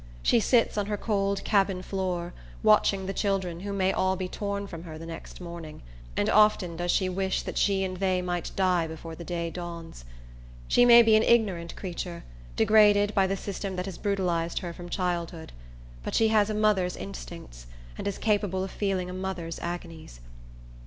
She sits on her cold cabin floor, watching the children who may all be torn from her the next morning; and often does she wish that she and they might die before the day dawns. She may be an ignorant creature, degraded by the system that has brutalized her from childhood; but she has a mother's instincts, and is capable of feeling a mother's agonies.